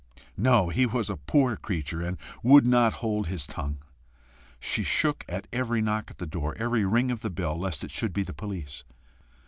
No he was a poor creature, and would not hold his tongue! She shook at every knock at the door, every ring at the bell, lest it should be the police.